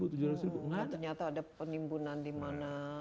ternyata ada penimbunan di mana